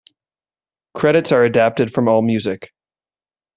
Credits are adapted from AllMusic.